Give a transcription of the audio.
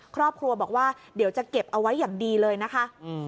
ครอบครัวบอกว่าเดี๋ยวจะเก็บเอาไว้อย่างดีเลยนะคะ